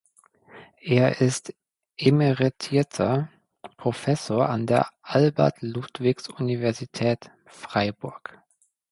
Er ist emeritierter Professor an der Albert-Ludwigs-Universität Freiburg.